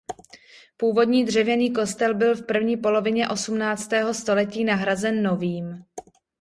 Původní dřevěný kostel byl v první polovině osmnáctého století nahrazen novým.